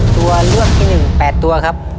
ตัวเลือกที่๑๘ตัวครับ